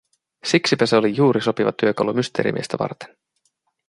Siksipä se oli juuri sopiva työkalu Mysteerimiestä varten.